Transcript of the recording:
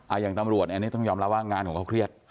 อย่างตำรวจอันนี้ต้องยอมรับว่างานของเขาเครียด